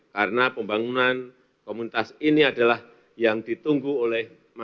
karena pembangunan komunitas ini adalah yang ditunggu oleh masyarakat